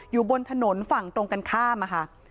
อยู่บนถนนฝั่งตรงกันข้ามอะค่ะ